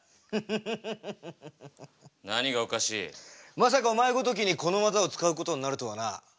まさかお前ごときにこの技を使うことになるとはな。